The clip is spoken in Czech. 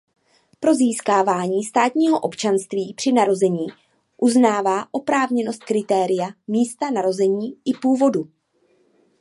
Pro získávání státního občanství při narození uznává oprávněnost kritéria místa narození i původu.